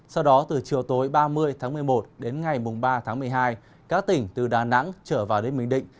sau đó từ chiều tối ba mươi tháng một mươi một đến ngày ba tháng một mươi hai các tỉnh từ đà nẵng trở vào đến bình định